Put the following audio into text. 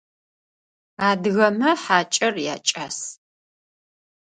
Адыгэмэ хьакIэр якIас.